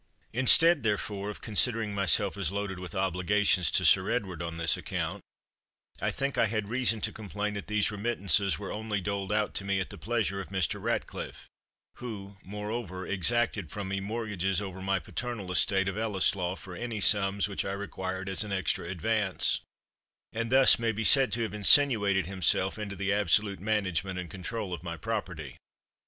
Instead, therefore, of considering myself as loaded with obligations to Sir Edward on this account, I think I had reason to complain that these remittances were only doled out to me at the pleasure of Mr. Ratcliffe, who, moreover, exacted from me mortgages over my paternal estate of Ellieslaw for any sums which I required as an extra advance; and thus may be said to have insinuated himself into the absolute management and control of my property.